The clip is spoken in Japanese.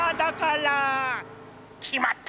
きまった！